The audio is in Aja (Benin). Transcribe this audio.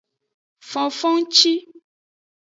Fofongci.